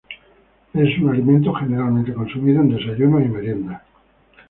Es un alimento generalmente consumido en desayunos y meriendas.